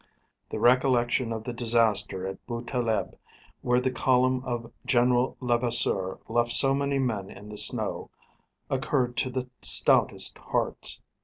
The recollection of the disaster at Boo Taleb, where the column of General Levasseur left so many men in the snow, occurred to the stoutest hearts.